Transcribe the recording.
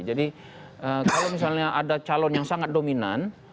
jadi kalau misalnya ada calon yang sangat dominan